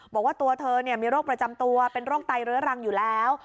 บอกว่าตัวเธอมีโรคประจำตัวเป็นโรคไตเรื้อรังอยู่แล้ว